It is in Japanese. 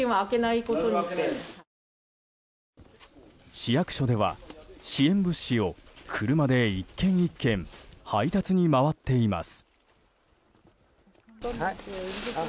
市役所では、支援物資を車で１軒１軒配達に回っています。